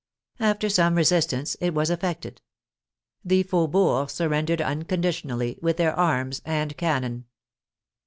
After some resistance it was effected. The faubourgs surrendered unconditionally with their arms and cannon.